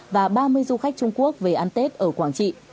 và ba mươi du khách trung quốc về ăn tết ở quảng trị